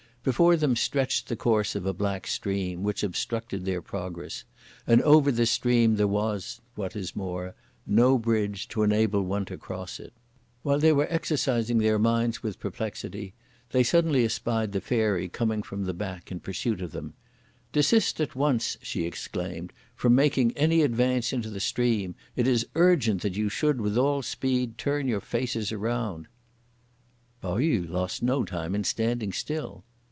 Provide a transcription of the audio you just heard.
Before them stretched the course of a black stream, which obstructed their progress; and over this stream there was, what is more, no bridge to enable one to cross it. While they were exercising their minds with perplexity, they suddenly espied the Fairy coming from the back in pursuit of them. "Desist at once," she exclaimed, "from making any advance into the stream; it is urgent that you should, with all speed, turn your faces round!" Pao yü lost no time in standing still.